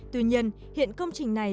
tuy nhiên hiện công trình này